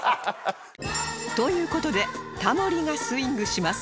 という事でタモリがスイングします